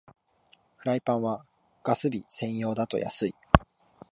フライパンはガス火専用だと安い